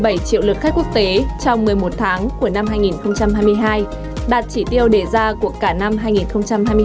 với một hai mươi bảy triệu lượt khách quốc tế trong một mươi một tháng của năm hai nghìn hai mươi hai đạt chỉ tiêu đề ra của cả năm hai nghìn hai mươi hai